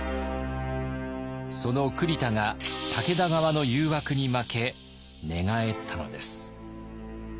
その栗田が武田側の誘惑に負け寝返ったのです。